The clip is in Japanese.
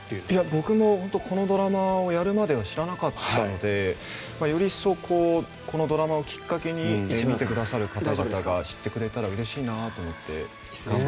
僕も本当にこのドラマをやるまでは知らなかったのでより一層このドラマをきっかけに見てくださる方々が知ってくれればうれしいなと思って。